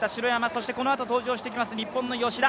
そしてこのあと登場してきます日本の吉田。